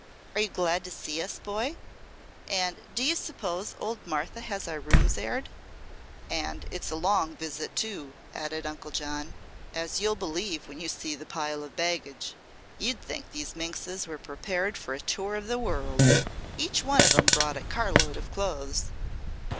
"Are you glad to see us, boy? And do you suppose old Martha has our rooms aired?" "And it's a long visit, too," added Uncle John, "as you'll believe when you see the pile of baggage. You'd think these minxes were prepared for a tour of the world. Each one of 'em brought a carload of clothes."